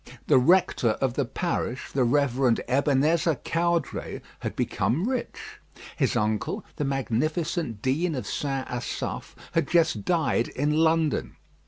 The rector of the parish, the Rev. Ebenezer Caudray, had become rich. His uncle, the magnificent Dean of St. Asaph, had just died in London.